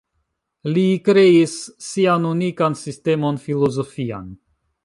Li kreis sian unikan sistemon filozofian.